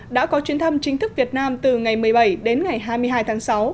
đã có chuyến thăm chính thức việt nam từ ngày một mươi bảy đến ngày hai mươi hai tháng sáu